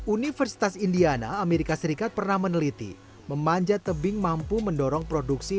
universitas indiana amerika serikat pernah meneliti memanjat tebing mampu mendorong produksi